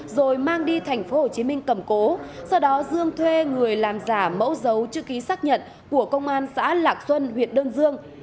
rồi mang đi tp hcm cầm cố sau đó dương thuê người làm giả mẫu dấu chữ ký xác nhận của công an xã lạc xuân huyện đơn dương